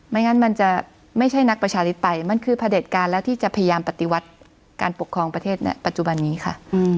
งั้นมันจะไม่ใช่นักประชาธิปไตยมันคือพระเด็จการแล้วที่จะพยายามปฏิวัติการปกครองประเทศปัจจุบันนี้ค่ะ